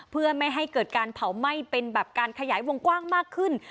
เพื่อไม่ให้เกิดการเผาไหม้เป็นแบบการขยายวงกว้างมากขึ้น